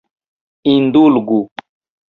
Indulgu!